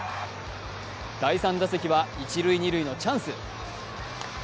第３打席は一・二塁のチャンス。